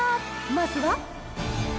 まずは。